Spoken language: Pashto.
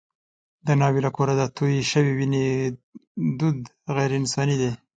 د ناوې له کوره د تویې شوې وینې دود غیر انساني دی.